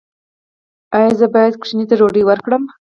ایا زه باید ماشوم ته ډوډۍ ورکړم؟